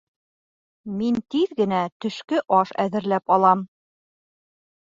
Мин тиҙ генә төшкө аш әҙерләп алам